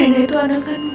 reina itu anak kamu bes